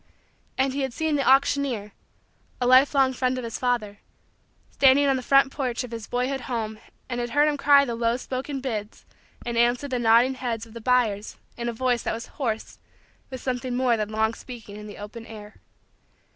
And he had seen the auctioneer a lifelong friend of his father standing on the front porch of his boyhood home and had heard him cry the low spoken bids and answer the nodding heads of the buyers in a voice that was hoarse with something more than long speaking in the open air.